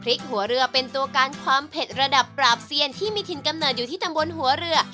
หัวเรือเป็นตัวการความเผ็ดระดับปราบเซียนที่มีถิ่นกำเนิดอยู่ที่ตำบลหัวเรือ